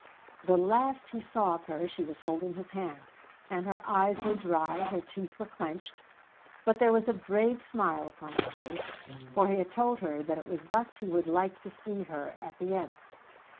The last he saw of her, she was holding his hand, and her eyes were dry, her teeth were clenched; but there was a brave smile upon her face, for he had told her that it was thus he would like to see her at the end.